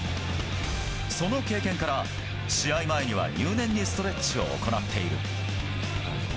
その経験から、試合前には入念にストレッチを行っている。